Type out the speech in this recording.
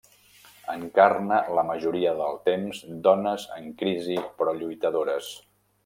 Encarna la majoria del temps dones en crisi però lluitadores.